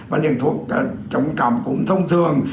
và những thuốc chống cằm cũng thông thường